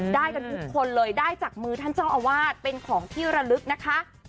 ได้กันทุกคนเลยได้จากมือท่านเจ้าอาวาสเป็นของที่ระลึกนะคะ